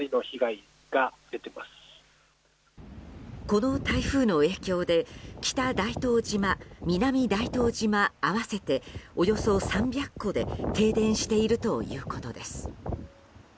この台風の影響で北大東島、南大東島合わせておよそ３００戸で停電しているということです。